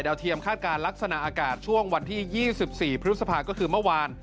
เทียมคาดการณ์ลักษณะอากาศช่วงวันที่๒๔พฤษภาก็คือเมื่อวาน